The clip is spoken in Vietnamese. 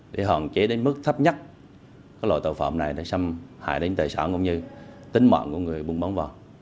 để hạn chế đến mức thấp nhất loại tàu phạm này để xâm hại đến tài sản cũng như tính mạng của người buôn bán vàng